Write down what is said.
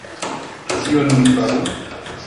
Kion mi faru?